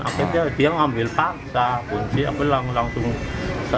akhirnya dia ngambil paksa aku langsung